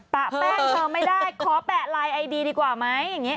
ปะแป้งเธอไม่ได้ขอแปะไลน์ไอดีดีกว่าไหม